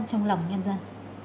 trong lòng nhân dân